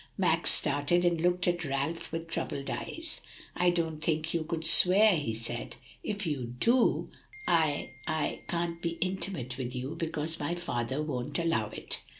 Max started, and looked at Ralph with troubled eyes. "I didn't think you would swear," he said. "If you do, I I can't be intimate with you, because my father won't allow it."